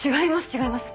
違います。